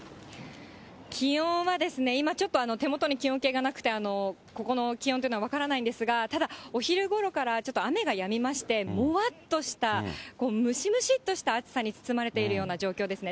気温はですね、今ちょっと手元に気温計がなくて、ここの気温というのは分からないんですが、ただ、お昼ごろからちょっと雨がやみまして、もわっとしたこう、ムシムシッとした暑さに包まれているような状況ですね。